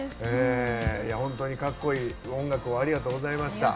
本当にかっこいい音楽をありがとうございました。